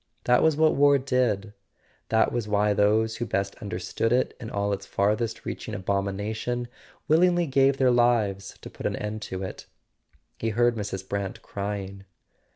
That was what war did; that was why those who best understood it in all its farthest reaching abomination willingly gave their lives to put an end to it. He heard Mrs. Brant crying.